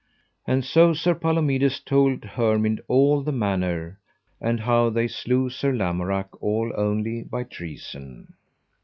And so Sir Palomides told Hermind all the manner, and how they slew Sir Lamorak all only by treason.